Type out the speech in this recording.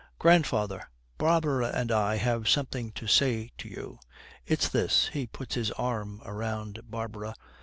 Grandfather, Barbara and I have something to say to you. It's this.' He puts his arm round Barbara.